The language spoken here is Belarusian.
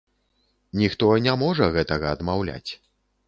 Ніхто не можа гэтага адмаўляць.